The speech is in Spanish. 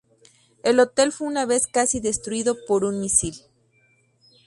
El hotel fue una vez casi destruido por un misil.